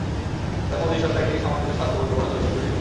তবে মোদির সরকার একটি সমন্বিত স্বাস্থ্য পরিকল্পনা তৈরি করতে দেরি করছে।